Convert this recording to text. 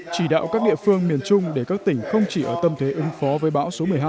chỉ đạo các địa phương miền trung để các tỉnh không chỉ ở tâm thế ứng phó với bão số một mươi hai